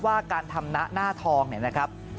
ว่าการทำนะหน้าทองนะครับ